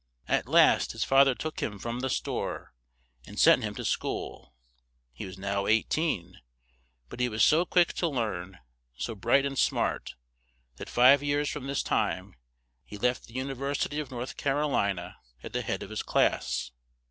At last his fa ther took him from the store and sent him to school; he was now eight een, but he was so quick to learn, so bright and smart, that five years from this time he left the U ni ver si ty of North Car o li na at the head of his class.